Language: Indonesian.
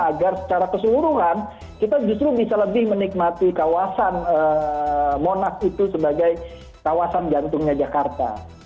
agar secara keseluruhan kita justru bisa lebih menikmati kawasan monas itu sebagai kawasan jantungnya jakarta